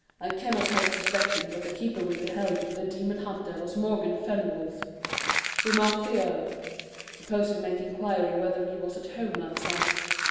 "I cannot help suspecting that the keeper we beheld with the demon hunter was Morgan Fenwolf," remarked the earl. "Suppose we make inquiry whether he was at home last night.